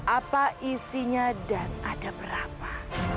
apa isinya dan ada berapa